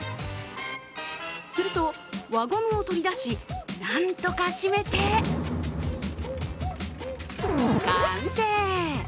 すると、輪ゴムを取り出しなんとか閉めて完成。